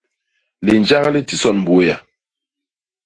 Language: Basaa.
Linjak li tison Buéa.